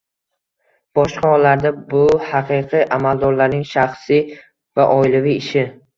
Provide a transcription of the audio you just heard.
Boshqa hollarda, bu haqiqiy amaldorlarning shaxsiy va oilaviy ishi